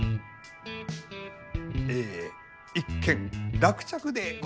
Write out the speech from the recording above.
え一件落着でございます。